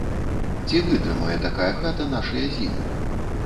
Ці вытрымае такая хата нашыя зімы?